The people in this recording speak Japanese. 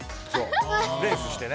レースしてね。